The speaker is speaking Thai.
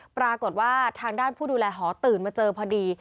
ปรากฏว่าทางด้านผู้ดูแลหอตื่นมาเจอพอดี